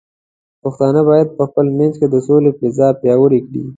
پښتانه بايد په خپل منځ کې د سولې فضاء پیاوړې کړي.